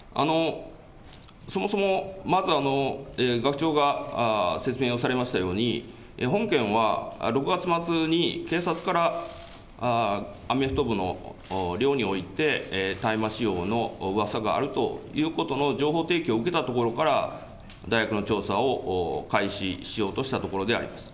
そもそもまず、学長が説明をされましたように、本件は６月末に警察からアメフト部の寮において、大麻使用のうわさがあるということの情報提供を受けたところから大学の調査を開始しようとしたところであります。